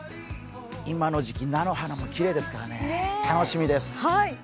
今の時期菜の花もきれいですから楽しみです。